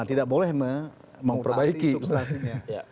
tidak boleh memperbaiki substansinya